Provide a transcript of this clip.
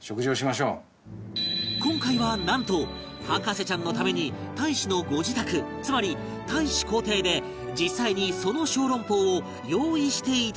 今回はなんと博士ちゃんのために大使のご自宅つまり大使公邸で実際にその小籠包を用意していただける事に